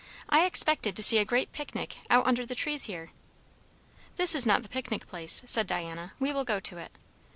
I expected to see a great picnic out under the trees here." "This is not the picnic place," said Diana. "We will go to it."